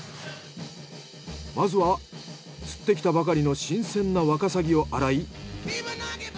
まずは釣ってきたばかりの新鮮なワカサギを洗い